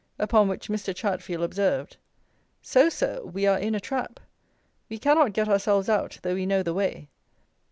Upon which Mr. Chatfield observed: "So, Sir, we are in a trap. We cannot get ourselves out though we know the way.